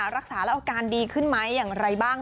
รักษาแล้วอาการดีขึ้นไหมอย่างไรบ้าง